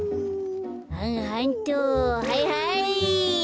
はんはんっとはいはい。